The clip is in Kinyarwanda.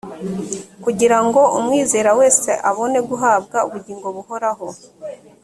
kugira ngo umwizera wese abone guhabwa ubugingo buhoraho